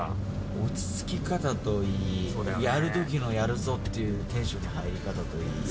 落ち着き方といい、やるときはやるぞっていうテンションの入り方といい。